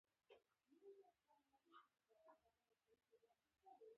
د سینما د رڼا او سیوري تر منځ هنر پروت دی.